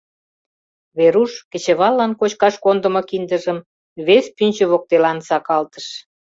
Веруш кечываллан кочкаш кондымо киндыжым вес пӱнчӧ воктелан сакалтыш.